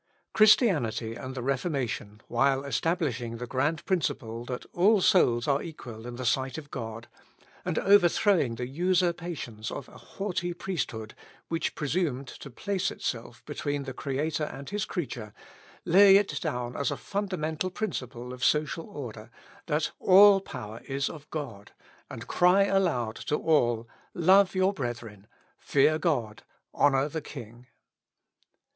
Christianity and the Reformation, while establishing the grand principle that all souls are equal in the sight of God, and overthrowing the usurpations of a haughty priesthood, which presumed to place itself between the Creator and his creature, lay it down as a fundamental principle of social order, that all power is of God, and cry aloud to all, "Love your brethren, fear God, honour the king."